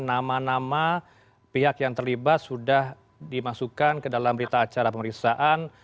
nama nama pihak yang terlibat sudah dimasukkan ke dalam berita acara pemeriksaan